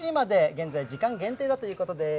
現在時間限定だということです。